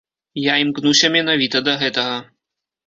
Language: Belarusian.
Я імкнуся менавіта да гэтага.